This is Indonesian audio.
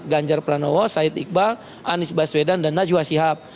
ganjar pranowo said iqbal anies baswedan dan najwa sihab